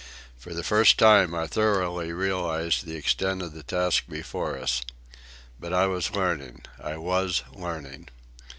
For the first time I thoroughly realized the extent of the task before us. But I was learning, I was learning.